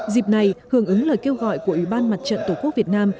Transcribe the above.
dịp này hưởng ứng lời kêu gọi của ủy ban mặt trận tổ quốc việt nam